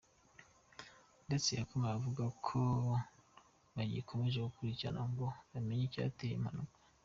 Ndetse yakomeje avuga ko bagikomeje gukurikirana ngo bamenye icyateye iyo mpanuka.